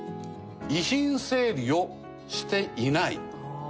遺品整理をしていない。